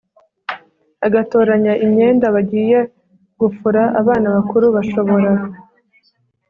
Agatoranya imyenda bagiye gufura abana bakuru bashobora